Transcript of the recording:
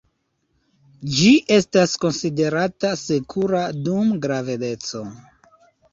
Ĝi estas konsiderata sekura dum gravedeco.